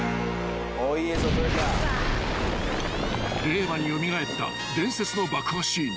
［令和に蘇った伝説の爆破シーン］